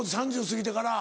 ３０すぎてから。